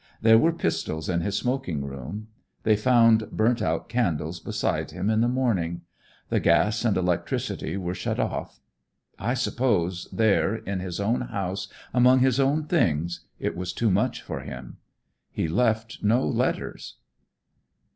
There were pistols in his smoking room. They found burnt out candles beside him in the morning. The gas and electricity were shut off. I suppose there, in his own house, among his own things, it was too much for him. He left no letters."